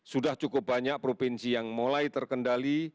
sudah cukup banyak provinsi yang mulai terkendali